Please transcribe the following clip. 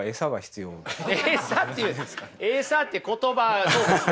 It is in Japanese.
エサっていうエサって言葉そうですね